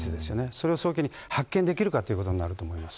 それを早期に発見できるかということになると思います。